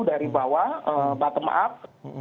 dari bawah bottom up